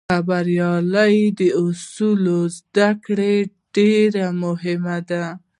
د خبریالۍ د اصولو زدهکړه ډېره مهمه ده.